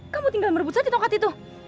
kamu tinggal merebut saja tongkat itu